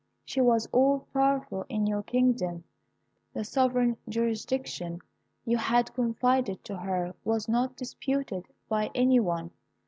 She was all powerful in your kingdom. The sovereign jurisdiction you had confided to her was not disputed by any one.